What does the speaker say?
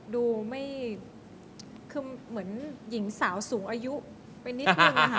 ดูไม่คือเหมือนหญิงสาวสูงอายุไปนิดนึงนะคะ